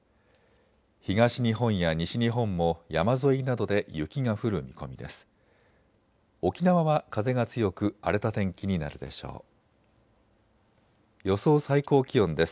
東日本や西日本も山沿いなどで雪が降る見込みです。